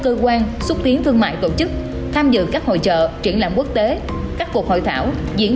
cơ quan xúc tiến thương mại tổ chức tham dự các hội trợ triển lãm quốc tế các cuộc hội thảo diễn